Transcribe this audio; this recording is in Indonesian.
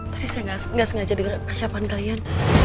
tadi saya gak sengaja di persiapan kalian